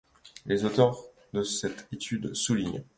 Les auteurs de cette étude soulignent '.